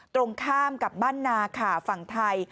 ตรงข้ามกับบ้านนาค่ะฝั่งไทย